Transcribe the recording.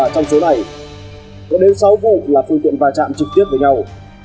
trong số này có đến sáu vụ là phương tiện và trạm trực tiếp với nhau